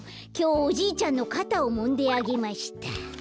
きょう「おじいちゃんのかたをもんであげました」。